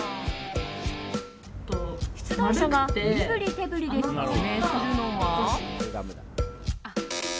出題者が身振り手振りで説明するのは。